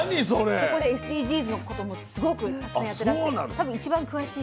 そこでＳＤＧｓのこともすごくたくさんやってらして多分一番詳しい。